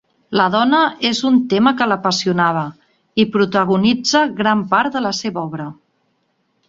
La dona és un tema que l'apassionava i protagonitza gran part de la seva obra.